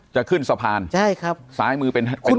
จะขึ้นสะพานซ้ายมือเป็นอีกเล่น